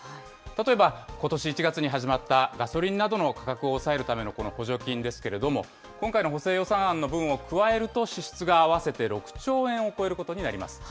例えば、ことし１月に始まったガソリンなどの価格を抑えるためのこの補助金ですけれども、今回の補正予算案の分を加えると支出が合わせて６兆円を超えることになります。